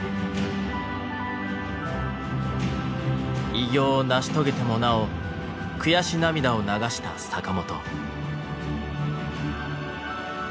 偉業を成し遂げてもなお悔し涙を流した坂本。